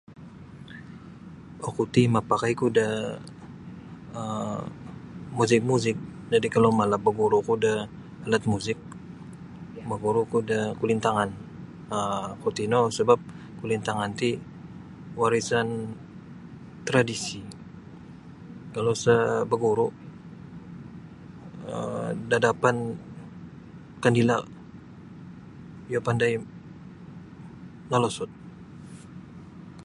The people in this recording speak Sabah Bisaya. Oku ti mapakaiku da um muzik-muzik jadi kalau malap baguru' oku da alat muzik baguru' oku da kulintangan um kuo tino sebap kulintangan ti warisan tradisi kalau sa' baguru' um da dapan kandila' iyo pandai molosod.